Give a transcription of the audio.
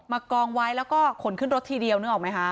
กองไว้แล้วก็ขนขึ้นรถทีเดียวนึกออกไหมคะ